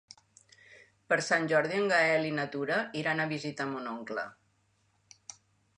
Per Sant Jordi en Gaël i na Tura iran a visitar mon oncle.